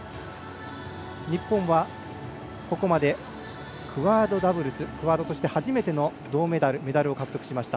日本はここまでクアードダブルスクアードとしての初めてのメダル銅メダルを獲得しました。